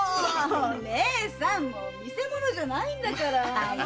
義姉さん見せ物じゃないんだから。